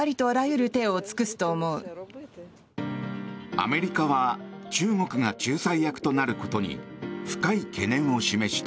アメリカは中国が仲裁役となることに深い懸念を示した。